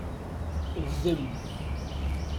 Gdem.